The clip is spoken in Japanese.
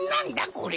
これ。